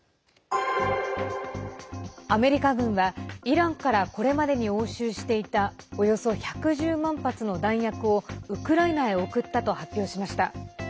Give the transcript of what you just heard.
アメリカ軍はイランからこれまでに押収していたおよそ１１０万発の弾薬をウクライナへ送ったと発表しました。